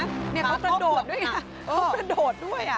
เค้าประโดดด้วยอ่ะเค้าประโดดด้วยอ่ะ